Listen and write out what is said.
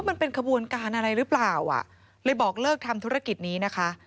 มันเป็นขบวนการอะไรหรือเปล่าอ่ะเลยบอกเลิกทำธุรกิจนี้นะคะ